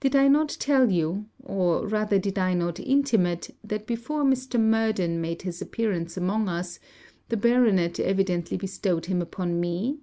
Did I not tell you, or rather did I not intimate, that before Mr. Murden made his appearance amongst us, the Baronet evidently bestowed him upon me?